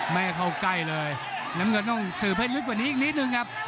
แม่เขาใกล้เลยลำเงินต้องสื่อเพศลึกไปนี้อีกนิดนึงครับ